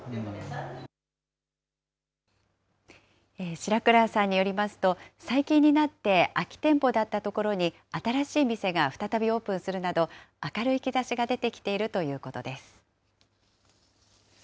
白倉さんによりますと、最近になって空き店舗だった所に新しい店が再びオープンするなど、明るい兆しが出てきているということです。